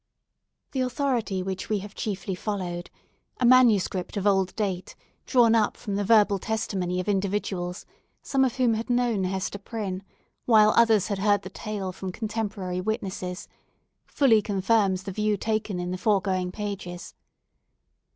The authority which we have chiefly followed—a manuscript of old date, drawn up from the verbal testimony of individuals, some of whom had known Hester Prynne, while others had heard the tale from contemporary witnesses fully confirms the view taken in the foregoing pages.